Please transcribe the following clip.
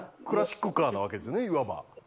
クラシックカーなわけですよねいわば。